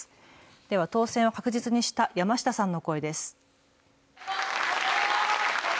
では、当選を確実にした山下さんの声です。